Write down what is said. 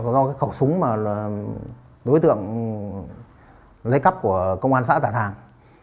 do cái khẩu súng mà đối tượng lấy cắp của công an xã tà thàng